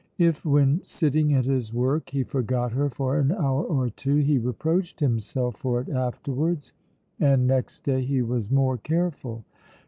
If when sitting at his work he forgot her for an hour or two he reproached himself for it afterwards, and next day he was more careful.